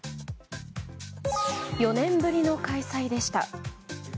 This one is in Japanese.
４年ぶりの開催でした。